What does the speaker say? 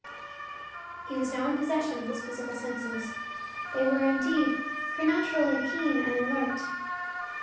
He was now in full possession of his physical senses. They were, indeed, preternaturally keen and alert.